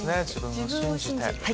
「自分を信じて‼」。